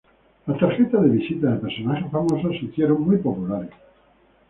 Las tarjetas de visita de personajes famosos se hicieron muy populares.